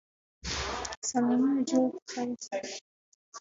سلامونه جوړ په خیر!